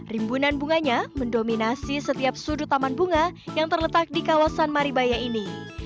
rimbunan bunganya mendominasi setiap sudut taman bunga yang terletak di kawasan maribaya ini